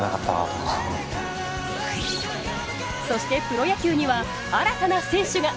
そしてプロ野球には新たな選手が。